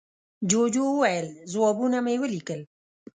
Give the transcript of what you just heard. جوجو وویل، ځوابونه مې وليکل.